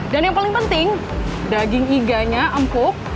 dan yang paling penting daging iganya empuk